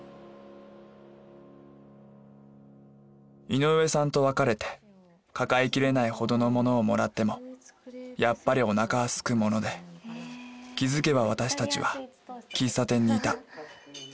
井上さんと別れて抱えきれないほどのものをもらってもやっぱりお腹はすくもので気づけば私たちは喫茶店にいた。